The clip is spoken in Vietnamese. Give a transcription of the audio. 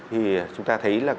thì chúng ta thấy là